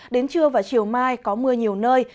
đến trưa và chiều mai có mưa nhiều nơi